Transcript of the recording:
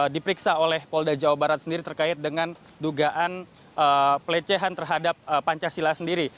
diperiksa oleh polda jawa barat sendiri terkait dengan dugaan pelecehan terhadap pancasila sendiri